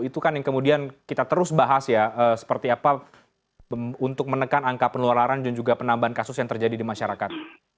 itu kan yang kemudian kita terus bahas ya seperti apa untuk menekan angka penularan dan juga penambahan kasus yang terjadi di masyarakat